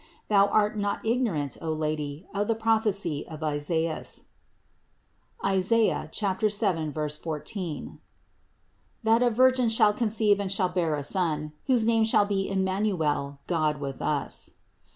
Thou art not ignorant, O Lady, of the prophecy of Isaias (Is. 7, 14), that a Virgin shall conceive and shall bear a son, whose name shall be Emmanuel, God with us.